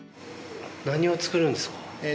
何を作るんですか？